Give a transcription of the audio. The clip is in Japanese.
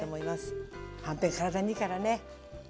はんぺん体にいいからね。